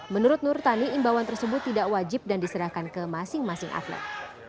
menurut nur tani imbauan tersebut tidak wajib dan diserahkan ke masing masing atlet